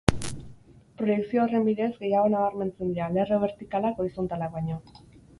Proiekzio horren bidez, gehiago nabarmentzen dira lerro bertikalak horizontalak baino.